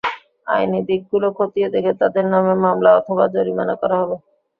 আইনি দিকগুলো খতিয়ে দেখে তাঁদের নামে মামলা অথবা জরিমানা করা হবে।